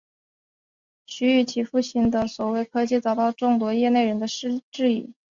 徐与其父亲的所谓科技遭到众多业内人士的质疑。